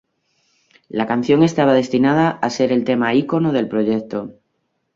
La canción estaba destinada a ser el tema ícono del proyecto.